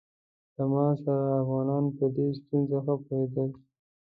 له ما سره افغانان په دې ستونزه ښه پوهېدل.